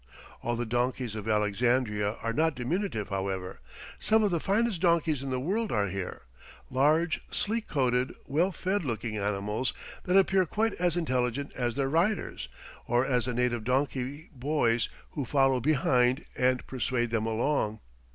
All the donkeys of Alexandria are not diminutive, however. Some of the finest donkeys in the world are here, large, sleek coated, well fed looking animals, that appear quite as intelligent as their riders, or as the native donkey boys who follow behind and persuade them along.